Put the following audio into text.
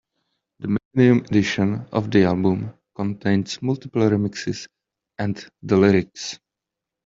The millennium edition of the album contains multiple remixes and the lyrics.